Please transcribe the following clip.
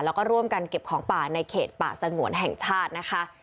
แล้วก็ร่วมกันเก็บของป่าในเขตป่าสงวนแห่งชาตินะคะ